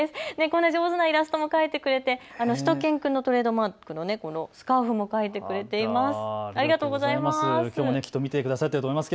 こんな上手なイラストも描いてくれてしゅと犬くんのトレードマークのスカーフも描いてくれています。